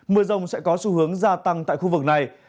mưa rông sẽ có xu hướng gia tăng tại khu vực này